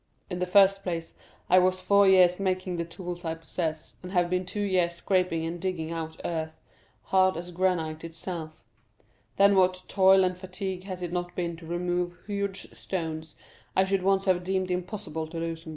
In the first place, I was four years making the tools I possess, and have been two years scraping and digging out earth, hard as granite itself; then what toil and fatigue has it not been to remove huge stones I should once have deemed impossible to loosen.